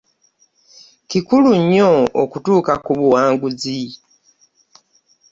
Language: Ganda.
Kikulu nnyo okutuka ku buwanguzi.